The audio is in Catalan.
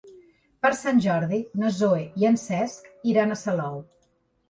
Per Sant Jordi na Zoè i en Cesc iran a Salou.